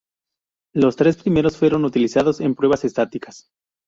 Los tres primeros fueron utilizados en pruebas estáticas.